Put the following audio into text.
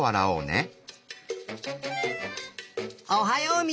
おはよう。